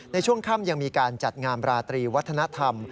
ในช่วงค่ำยังมีการจัดงามราตรีวัฒนธรรม